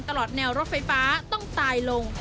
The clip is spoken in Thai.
ตลอดแนวรถไฟฟ้าต้องตายลง